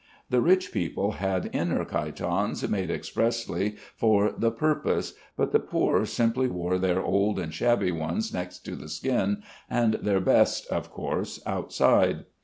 The rich people had inner chitons, made expressly for the purpose, but the poor simply wore their old and shabby ones next the skin, and their best of course outside.